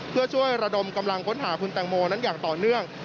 เพื่อช่วยระดมกำลังค้นหาคุณแตงโมนั้นอย่างต่อเนื่อง